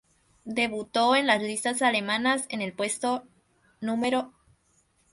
Debutó en las listas alemanas en el puesto No.